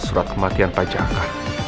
surat kematian pak jaka